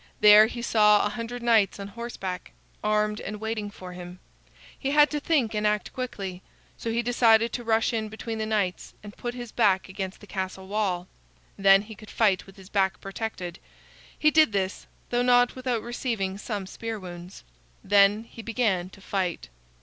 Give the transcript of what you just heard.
There he saw a hundred knights on horseback, armed and waiting for him. He had to think and act quickly. So he decided to rush in between the knights and put his back against the castle wall. Then he could fight with his back protected. He did this, though not without receiving some spear wounds. Then he began to fight.